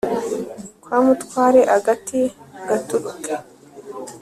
Kwa mutware agati gaturike!